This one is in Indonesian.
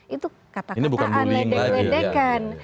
itu kata kataan ledeng ledekan